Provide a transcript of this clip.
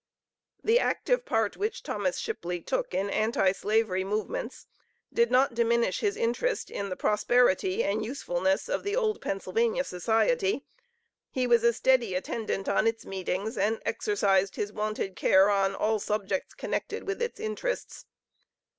The active part which Thomas Shipley took in Anti slavery movements, did not diminish his interest in the prosperity and usefulness of the old Pennsylvania Society. He was a steady attendant on its meetings, and exercised his wonted care on all subjects connected with its interests.